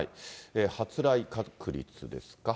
発雷確率ですか。